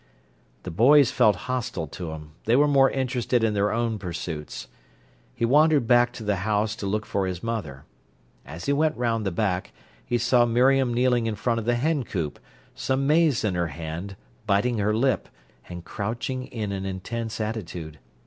The boys felt hostile to him; they were more interested in their own pursuits. He wandered back to the house to look for his mother. As he went round the back, he saw Miriam kneeling in front of the hen coop, some maize in her hand, biting her lip, and crouching in an intense attitude.